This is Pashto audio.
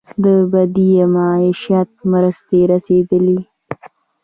د بدیل معیشت مرستې رسیدلي؟